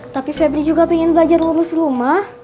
tapi febri juga pengen belajar lurus rumah